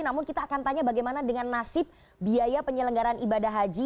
namun kita akan tanya bagaimana dengan nasib biaya penyelenggaran ibadah haji